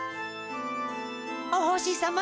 おほしさま。